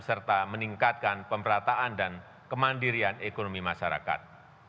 serta meningkatkan pemerataan dan kemandirian ekonomi masyarakat